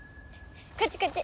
こっちこっち！